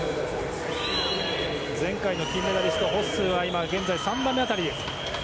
前回の金メダリストのホッスーは現在３番目辺り。